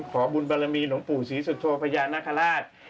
ขอบุญบารมีหลวงปู่ศรีสุโธพญานาคาราช